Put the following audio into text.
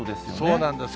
そうなんです。